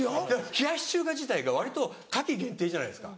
冷やし中華自体が割と夏季限定じゃないですか。